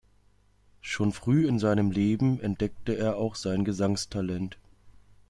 Schon früh in seinem Leben entdeckte er auch sein Gesangstalent.